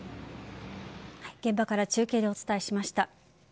現場から中継でお伝えしました。